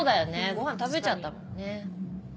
ごはん食べちゃったもんね。